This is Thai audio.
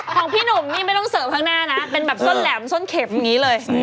ของพี่หนุ่มนี่ไม่ต้องเสิร์ฟข้างหน้านะเป็นแบบส้นแหลมส้นเข็มอย่างนี้เลย